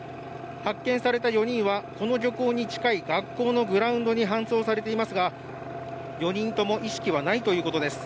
発見された４人はこの漁港に近い学校のグラウンドに搬送されていますが、４人とも意識はないということです